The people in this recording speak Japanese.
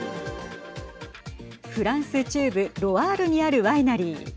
フランス中部ロアールにあるワイナリー。